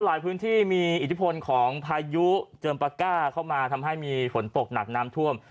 หลายพื้นที่มีอิทธิพลของพายุเจิมปากก้าเข้ามาทำให้มีฝนตกหนักน้ำท่วม